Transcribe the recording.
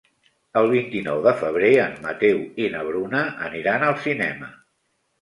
El vint-i-nou de febrer en Mateu i na Bruna aniran al cinema.